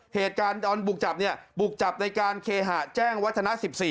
เหตุการณ์ตอนบุกจับเนี่ยบุกจับในการเคหะแจ้งวัฒนะ๑๔